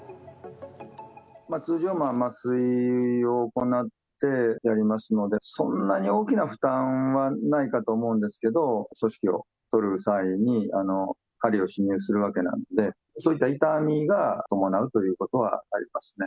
通常、麻酔を行ってやりますので、そんなに大きな負担はないかと思うんですけど、組織を採る際に、針を侵入するわけなので、そういった痛みが伴うということはありますね。